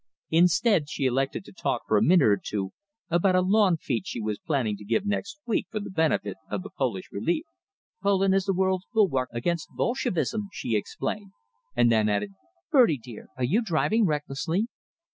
Instead, she elected to talk for a minute or two about a lawn fete she was planning to give next week for the benefit of the Polish relief. "Poland is the World's Bulwark against Bolshevism," she explained; and then added: "Bertie dear, aren't you driving recklessly?"